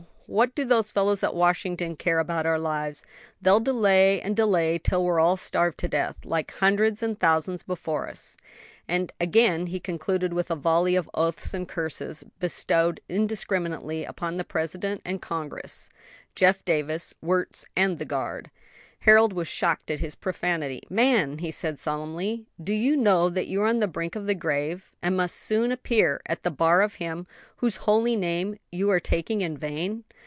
What do those fellows at Washington care about our lives? They'll delay and delay till we're all starved to death, like hundreds and thousands, before us;" and again he concluded with a volley of oaths and curses, bestowed indiscriminately upon the President and Congress, Jeff Davis, Wirtz, and the guard. Harold was shocked at his profanity. "Man," said he solemnly, "do you know that you are on the brink of the grave? and must soon appear at the bar of Him whose holy name you are taking in vain?"